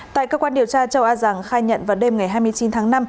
tại cơ quan điều tra châu a giàng khai nhận vào đêm ngày hai mươi chín tháng năm